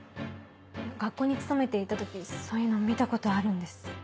学校に勤めていた時そういうの見たことあるんです。